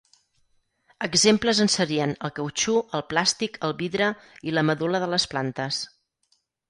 Exemples en serien el cautxú, el plàstic, el vidre i la medul·la de les plantes.